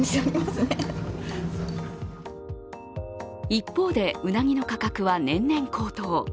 一方で、うなぎの価格は年々高騰。